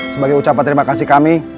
sebagai ucapan terima kasih kami